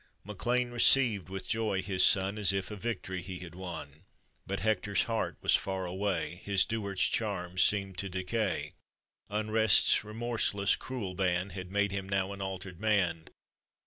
Mac Lean received with joy his son, As if a victory he had won ; But Hector's heart was far away, His Duard's charms seemed to decay — Unrest's remorseless, cruel ban, Had made him now an altered man.